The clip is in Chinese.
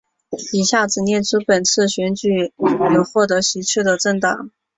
以下只列出本次选举有获得席次的政党